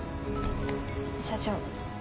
社長。